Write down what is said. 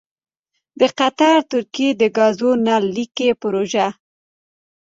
دقطر ترکیې دګازو نل لیکې پروژه: